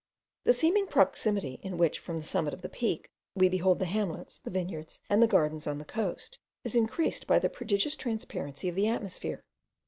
The seeming proximity, in which, from the summit of the peak, we behold the hamlets, the vineyards, and the gardens on the coast, is increased by the prodigious transparency of the atmosphere.